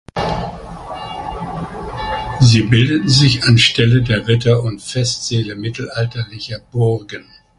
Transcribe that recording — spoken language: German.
Sie bildeten sich anstelle der Ritter- und Festsäle mittelalterlicher Burgen.